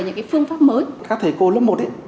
những cái phương pháp mới các thầy cô lớp một